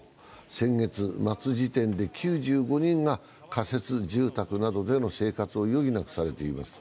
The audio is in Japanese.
先月末時点で９５人が仮設住宅などでの生活を余儀なくされています。